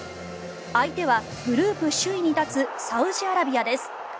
相手はグループ首位に立つサウジアラビアです。